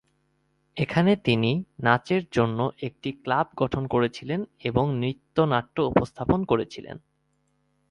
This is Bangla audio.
এখানে, তিনি নাচের জন্য একটি ক্লাব গঠন করেছিলেন এবং নৃত্য-নাট্য উপস্থাপন করেছিলেন।